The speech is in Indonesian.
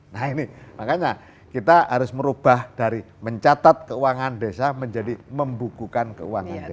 nah ini makanya kita harus merubah dari mencatat keuangan desa menjadi membukukan keuangan desa